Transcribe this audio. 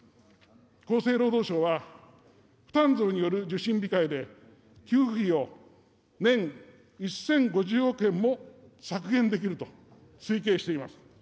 厚生労働省は、負担増による受診控えで、給付費を年１０５０億円も削減できると推計しています。